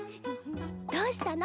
どうしたの？